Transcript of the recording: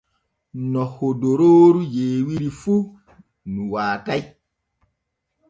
No hodorooru yeewiri fu nu waatay.